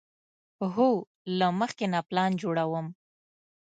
هو، له مخکې نه پلان جوړوم